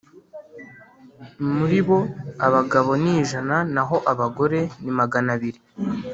Muri bo abagabo ni ijana naho abagore ni Magana abiri